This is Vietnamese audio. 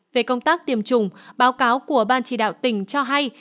về công tác tiêm chủng báo cáo của ban chỉ đạo tỉnh cho hay